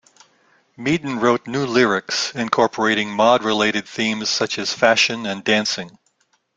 Meaden wrote new lyrics, incorporating mod-related themes such as fashion and dancing.